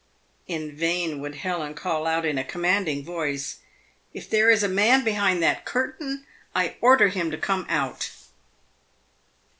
In vain would Helen call out in a commanding voice, " If there is a man behind that curtain I order him to come out."